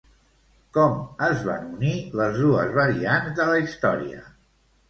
Com es van unir les dues variants de la història?